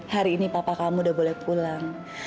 hari ini papa kamu udah boleh pulang